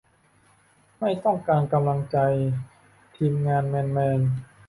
ไม่ต้องการกำลังใจ ทีมงาน แมนแมน